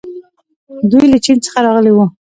دوی له چین څخه راغلي وو